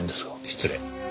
失礼。